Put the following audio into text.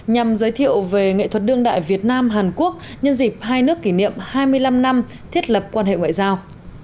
nhằm giới thiệu về nghệ thuật đương đại việt nam hàn quốc nhân dịp hai nước kỷ niệm hai mươi năm năm thiết lập quan hệ ngoại giao